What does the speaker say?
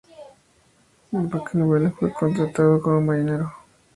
Bakewell fue contratado como marinero.